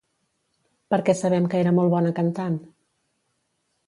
Per què sabem que era molt bona cantant?